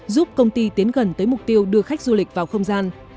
giúp công ty tiến gần tới mục tiêu đưa khách du lịch vào không gian